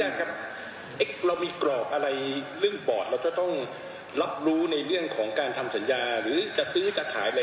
ต้องถามบอทต้องมีอะไรไหมหรือบอทไม่น่าจำเป็นต้องดูเรื่องรส